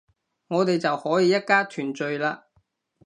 我哋就可以一家團聚喇